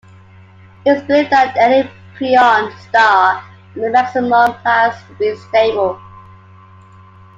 It is believed that any preon star under the maximum mass will be stable.